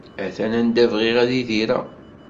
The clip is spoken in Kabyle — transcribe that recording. Atan anda bɣiɣ ad idireɣ!